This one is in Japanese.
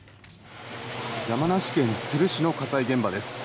山梨県都留市の火災現場です。